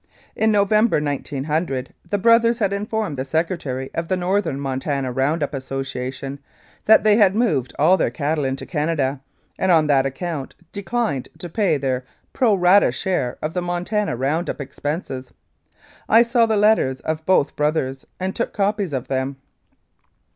In November, 1900, the brothers had informed the Secretary of the Northern Montana Round up Association that they had moved all their cattle into Canada, and on that account declined to pay their pro rata share of the Montana Round up expenses. I saw the letters of both brothers, and took copies of them.